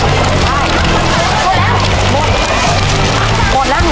เร็วเย็นไป